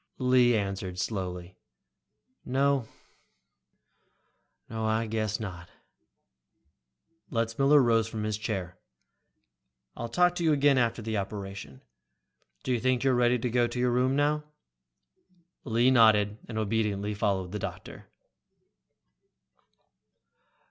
Lee answered slowly. "No, no I guess not." Letzmiller rose from his chair. "I'll talk to you again after the operation. Do you think you're ready to go to your room now?" Lee nodded and obediently followed the doctor.